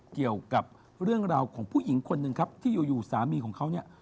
เกี่ยวกับเรื่องราวของผู้หญิงคนหนึ่งครับที่อยู่สามีของเขาเนี่ย